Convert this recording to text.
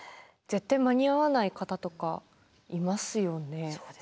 絶対間に合わない方とかいますよね。